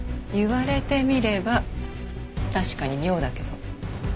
言われてみれば確かに妙だけど。